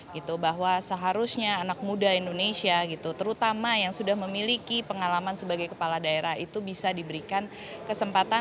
gitu bahwa seharusnya anak muda indonesia gitu terutama yang sudah memiliki pengalaman sebagai kepala daerah itu bisa diberikan kesempatan